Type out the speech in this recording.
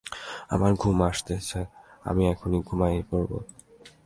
আমার ঘুম আসিতেছে, আমি এখনি ঘুমাইয়া পড়িব।